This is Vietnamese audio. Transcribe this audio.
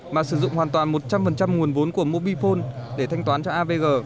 mà sử dụng hoàn toàn một trăm linh nguồn vốn của mobile phone để thanh toán cho avg